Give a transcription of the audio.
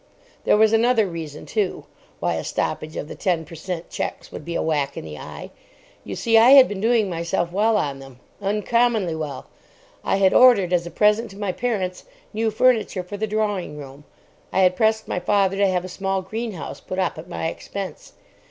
There was another reason, too, why a stoppage of the ten per cent. cheques would be a whack in the eye. You see, I had been doing myself well on them—uncommonly well. I had ordered, as a present to my parents, new furniture for the drawing room. I had pressed my father to have a small greenhouse put up at my expense.